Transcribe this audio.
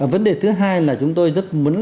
vấn đề thứ hai là chúng tôi rất muốn